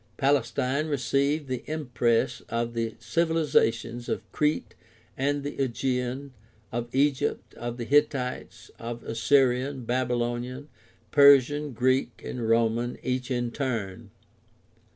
Palestine received the impress of the civilizations of Crete and the Aegean, of Egypt, of the Hittites, of Assyrian, Babylonian, Persian, Greek, and Roman, each in turn.